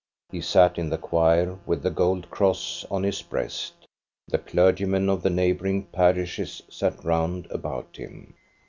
He sat in the choir with the gold cross on his breast ; the clergymen of the neighboring parishes sat round about him.